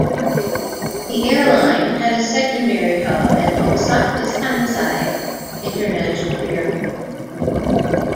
The airline had a secondary hub at Osaka's Kansai International Airport.